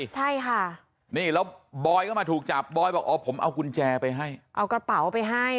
แล้วบอยก็มาถูกจับบอยบอกผมเอากุญแจไปให้เอากระเป๋าไปให้